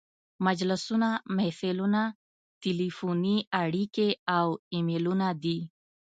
مجلسونه، محفلونه، تلیفوني اړیکې او ایمیلونه دي.